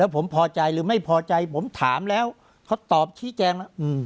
ผมพอใจหรือไม่พอใจผมถามแล้วเขาตอบชี้แจงแล้ว